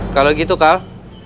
kalau gitu kal